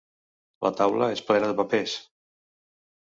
La taula és plena de papers.